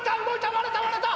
割れた割れた！